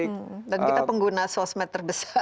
dan kita pengguna sosmed terbesar